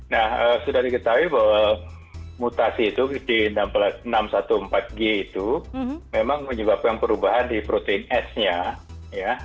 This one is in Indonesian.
nah sudah diketahui bahwa mutasi itu di enam ratus empat belas g itu memang menyebabkan perubahan di protein s nya ya